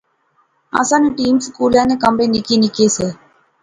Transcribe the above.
اساں نے ٹیم سکولا نے کمرے نکے نکے سے